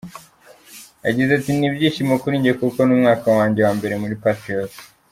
Yagize ati “Ni ibyishimo kuri njye, kuko ni umwaka wanjye wa mbere muri Patriots.